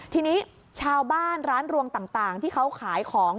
ทีนี้ชาวบ้านร้านรวงต่างที่เขาขายของ